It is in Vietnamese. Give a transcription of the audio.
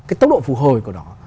cái tốc độ phục hồi của nó